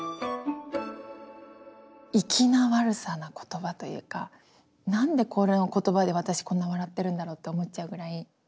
粋な悪さな言葉というか何でこれの言葉で私こんな笑ってるんだろうって思っちゃうぐらい。